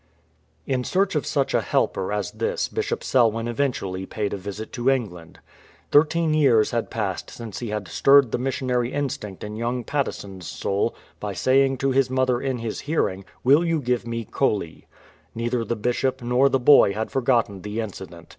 In search of such a helper as this Bishop Selwyn event ually paid a visit to England. Thirteen years had passed since he had stirred the missionary instinct in young Patteson's soul by saying to his mother in his hearing, " Will you give me Coley ?" Neither the Bishop nor the boy had forgotten the incident.